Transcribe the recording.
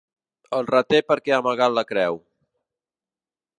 El reté perquè ha amagat la creu.